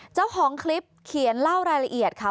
เจ้าของคลิปเขียนเล่ารายละเอียดค่ะ